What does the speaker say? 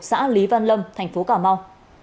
xã lý văn lâm thành phố cà mau